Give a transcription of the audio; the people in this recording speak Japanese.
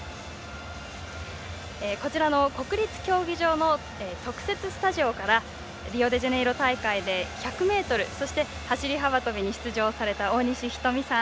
こちらの国立競技場の特設スタジオからリオデジャネイロ大会で１００ｍそして走り幅跳びに出場された大西瞳さん。